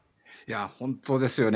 本当ですよね。